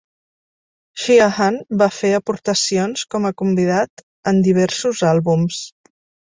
Sheahan va fer aportacions com a convidat en diversos àlbums.